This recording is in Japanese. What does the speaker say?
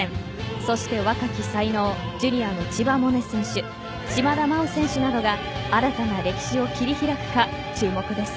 そして若き才能ジュニアの千葉百音選手島田麻央選手などが新たな歴史を切り開くか注目です。